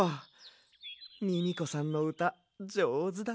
ミミコさんのうたじょうずだったな。